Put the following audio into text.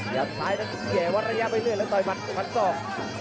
หยัดซ้ายแล้วก็เกี่ยววันระยะไปเรื่อยแล้วต่อมันพันสอง